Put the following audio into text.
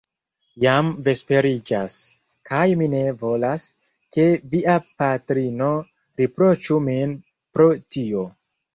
Jam vesperiĝas; kaj mi ne volas, ke via patrino riproĉu min pro tio.